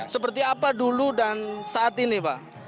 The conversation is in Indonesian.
seperti apa dulu dan saat ini pak